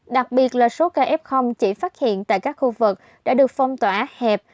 đặc biệt là số ca f chỉ phát hiện tại các khu vực đã được phong tỏa hẹp